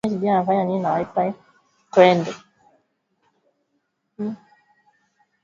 Jamhuri ya Kidemokrasia ya Kongo ina makundi zaidi ya mia ishirini yanayofanya ukatili mkubwa wa wanawake na watoto.